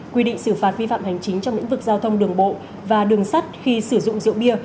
quy định xử phạt vi phạm hành chính trong lĩnh vực giao thông đường bộ và đường sắt khi sử dụng rượu bia